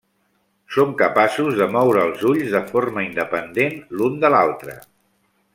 Són capaços de moure els ulls de forma independent l'un de l'altre.